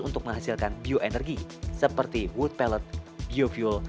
untuk menghasilkan bioenergi seperti wood pellet biofuel